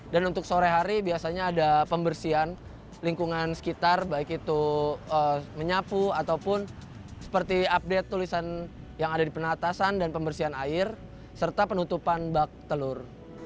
dan untuk sore hari biasanya ada pembersihan lingkungan sekitar baik itu menyapu ataupun seperti update tulisan yang ada di penatasan dan pembersihan air serta penutupan bak telur